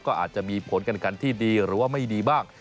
ก็อาจจะมีผลการขันที่ดีหรือว่าไม่ดีบ้าง